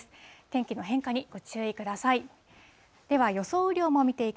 天気の変化にご注意ください。